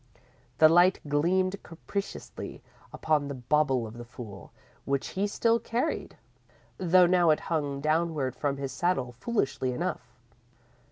_ _The light gleamed capriciously upon the bauble of the fool, which he still carried, though now it hung downward from his saddle, foolishly enough.